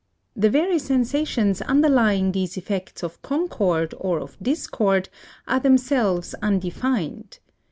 The very sensations underlying these effects of concord or of discord are themselves undefined.